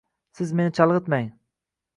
Siz meni chalg’itmang…